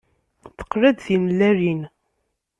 Teqla-d timellalin.